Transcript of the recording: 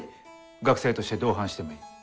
学生として同伴してもいい。